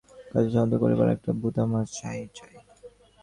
কাজে সাহায্য করিবার জন্য একটি ভূত আমার চাই-ই-চাই।